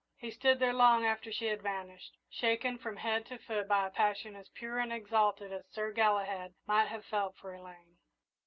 He stood there long after she had vanished, shaken from head to foot by a passion as pure and exalted as Sir Galahad might have felt for Elaine.